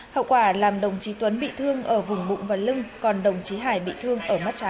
hậu quả làm đồng chí tuấn bị thương